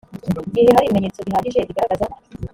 gihe hari ibimenyetso bihagije bigaragaza